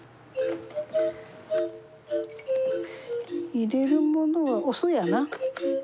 入れるものはお酢やな。